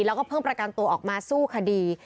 แล้วก็เพิ่งประกันตัวออกมาสู้คดี